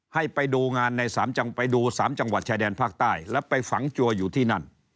ให้ไปดูสามจังหวัดชายแดนภาคใต้และไปฝังจัวอยู่ที่นั่น